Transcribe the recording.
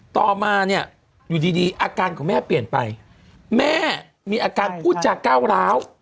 ต่อมาเนี่ยอยู่ดีอาการของแม่เปลี่ยนไปแม่มีอาการพูดจาก้าวร้าว